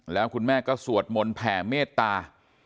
แล้วคุณแม่ก็สวดมนต์แผ่เมตตา